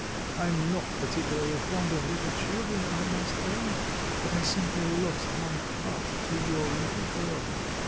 I am not particularly fond of little children, I must own; but I simply lost my heart to your little girl."